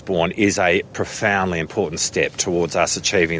penyelesaian hari ini sangat penting